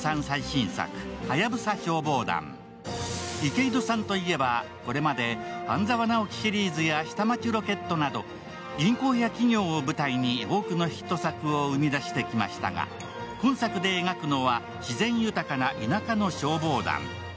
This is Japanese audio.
池井戸さんといえば、これまで「半沢直樹」シリーズや「下町ロケット」など銀行や企業を舞台に多くのヒット作を生み出してきましたが、今作で描くのは、自然豊かな田舎の消防団。